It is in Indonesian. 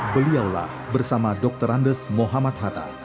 beliaulah bersama dr andes mohamad hatta